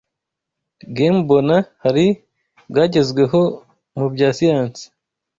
gem bona hari bwagezweho mu bya siyansi.